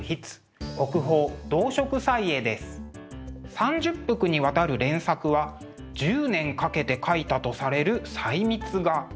３０幅にわたる連作は１０年かけて描いたとされる細密画。